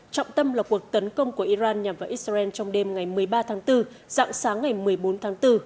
trọng tâm là cuộc tấn công của iran nhằm vào israel trong đêm ngày một mươi ba tháng bốn dạng sáng ngày một mươi bốn tháng bốn